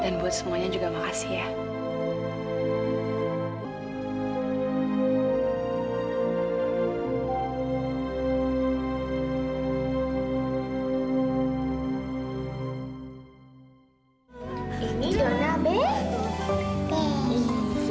dan buat semuanya juga makasih ya